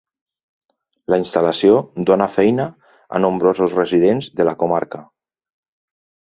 La instal·lació dóna feina a nombrosos residents de la comarca.